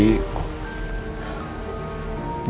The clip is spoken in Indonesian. dulu aku sempat